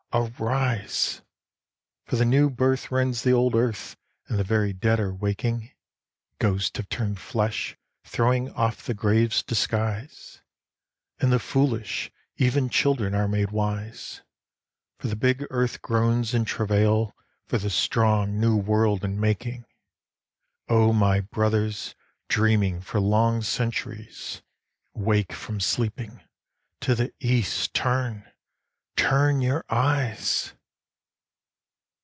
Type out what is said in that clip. arise! For the new birth rends the old earth and the very dead are waking, Ghosts have turned flesh, throwing off the grave's disguise, And the foolish, even children, are made wise; For the big earth groans in travail for the strong, new world in making O my brothers, dreaming for long centuries, Wake from sleeping; to the East turn, turn your eyes!